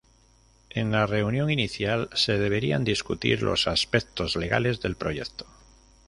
En la reunión inicial se deberían discutir los aspectos legales del proyecto.